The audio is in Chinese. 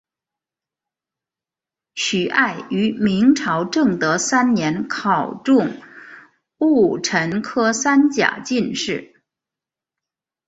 徐爱于明朝正德三年考中戊辰科三甲进士。